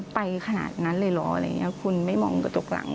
ไปขนาดนั้นเลยเหรอคุณไม่มองกระจกหลัง